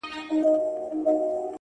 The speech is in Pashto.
د بشريت له روحه وباسه ته’